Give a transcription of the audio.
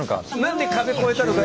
何で壁越えたのか。